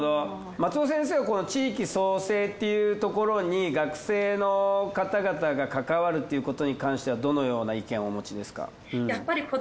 松尾先生はこの地域創生っていうところに学生の方々が関わるっていうことに関してはどのような意見をお持ちですか？